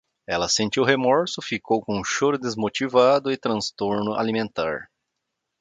Ela sentiu remorso, ficou com choro desmotivado e transtorno alimentar